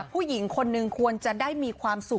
ผู้หญิงคนหนึ่งควรจะได้มีความสุข